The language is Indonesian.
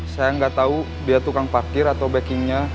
saya gak tau dia tukang parkir atau backingnya